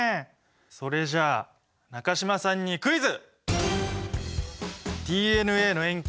それじゃあ中島さんにクイズ！